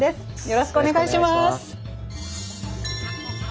よろしくお願いします。